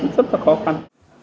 rất là khó khăn